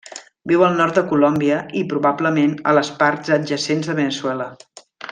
Viu al nord de Colòmbia i, probablement, a les parts adjacents de Veneçuela.